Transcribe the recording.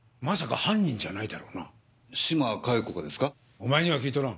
お前には聞いとらん。